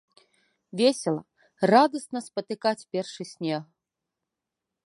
Весела, радасна спатыкаць першы снег!